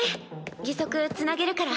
義足つなげるから。